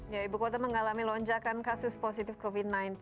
ya ibu kota mengalami lonjakan kasus positif covid sembilan belas